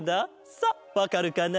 さあわかるかな？